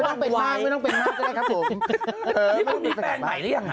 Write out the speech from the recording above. แล้วแฟนใหม่เลยหรือยัง